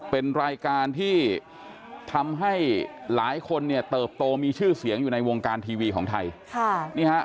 เป็นรายการที่ทำให้หลายคนเนี่ยเติบโตมีชื่อเสียงอยู่ในวงการทีวีของไทย